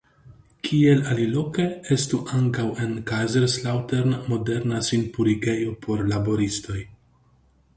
Kiel aliloke estu ankaŭ en Kaiserslautern moderna sinpurigejo por laboristoj.